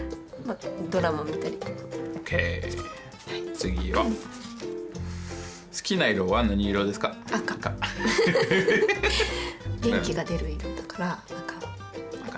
次は元気が出る色だから赤は。